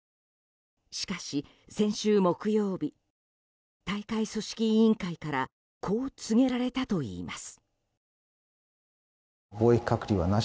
しかし、先週木曜日大会組織委員会からこう告げられたといいます。